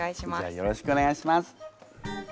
よろしくお願いします。